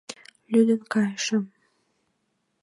Лӱдын кайышым.